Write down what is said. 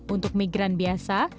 untuk migran biasa